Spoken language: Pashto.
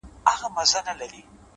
زحمت د استعداد اغېز پراخوي.!